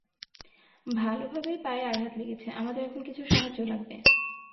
ভালোভাবেই পায়ে আঘাত লেগেছে আমাদের এখন কিছু সাহায্য লাগবে।